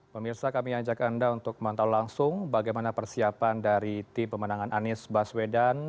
pemirsa kami ajak anda untuk memantau langsung bagaimana persiapan dari tim pemenangan anies baswedan